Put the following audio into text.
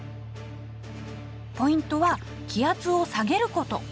ポイントは気圧を下げること。